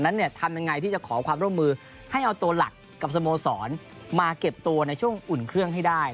นั้นทำยังไงที่จะขอความร่วมมือให้เอาตัวหลักกับสโมสรมาเก็บตัวในช่วงอุ่นเครื่องให้ได้